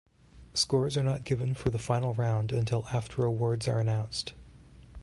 Scores are not given for the final round until after awards are announced.